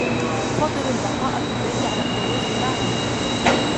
أفضل البقاء في البيت على الخروج معه.